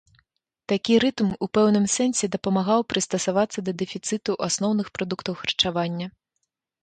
Такі рытм у пэўным сэнсе дапамагаў прыстасавацца да дэфіцыту асноўных прадуктаў харчавання.